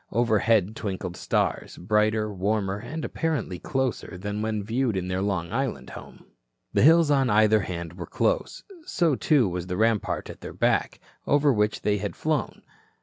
Overhead twinkled stars, brighter, warmer and apparently closer than when viewed in their Long Island home. The hills on either hand were close. So, too, was the rampart at their back, over which they had flown.